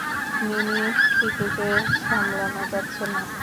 Mini, চিকুকে সামলানো যাচ্ছে না।